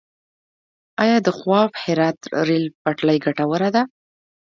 آیا د خواف - هرات ریل پټلۍ ګټوره ده؟